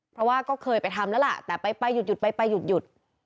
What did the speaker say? เพราะว่าก็เคยไปทำแล้วล่ะแต่ไปไปหยุดหยุดไปไปหยุดหยุด